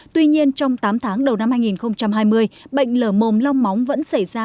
tuy nhiên trong tám tháng đầu năm hai nghìn hai mươi bệnh lở mồm long móng vẫn xảy ra